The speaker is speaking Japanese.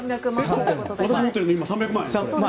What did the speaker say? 私が今持っているの３００万円？